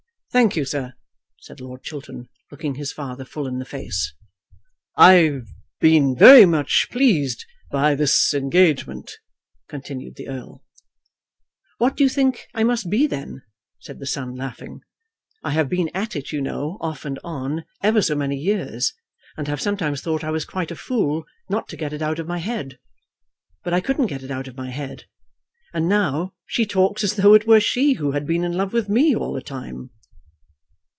"Thank you, sir," said Lord Chiltern, looking his father full in the face. "I have been very much pleased by this engagement," continued the Earl. "What do you think I must be, then?" said the son, laughing. "I have been at it, you know, off and on, ever so many years; and have sometimes thought I was quite a fool not to get it out of my head. But I couldn't get it out of my head. And now she talks as though it were she who had been in love with me all the time!"